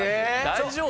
大丈夫？